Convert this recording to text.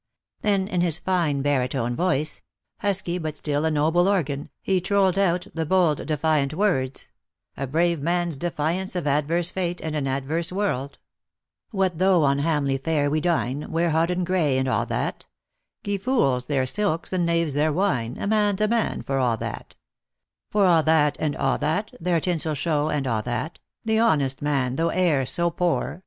Then in his fine baritone voice — husky, but still a noble organ, he trolled out the bold defiant words : a brave man's defiance of adverse fate and an adverse world :" What though on hamely fare we dine, Wear hodden gray, and a' that ; Gie fools their silks, and knaves their wine, A man's a man for a' that I For a' that, and a' that, Their tinsel show and a' that, The honest man, though e'er so poor.